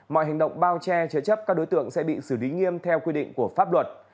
mọi hành động bao che chế chấp các đối tượng sẽ bị xử lý nghiêm theo quy định của pháp luật